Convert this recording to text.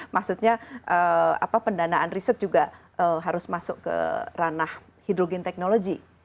maksudnya pendanaan riset juga harus masuk ke ranah hidrogen technology